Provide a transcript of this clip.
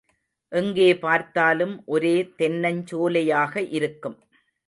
எங்கே பார்த்தாலும் ஒரே தென்னஞ் சோலையாக இருக்கும்.